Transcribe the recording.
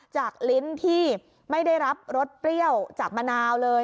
ลิ้นที่ไม่ได้รับรสเปรี้ยวจากมะนาวเลย